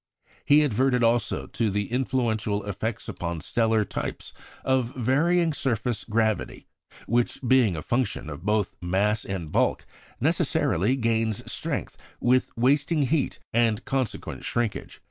He adverted also to the influential effects upon stellar types of varying surface gravity, which being a function of both mass and bulk necessarily gains strength with wasting heat and consequent shrinkage.